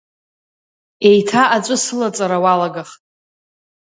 Еиҭа аҵәы сылаҵара уалагахт.